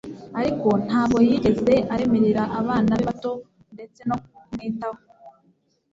ariko ntabwo yigeze aremerera abana be bato ndetse no kumwitaho